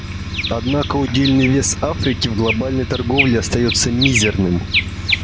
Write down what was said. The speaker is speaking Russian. Однако удельный вес Африки в глобальной торговле остается мизерным.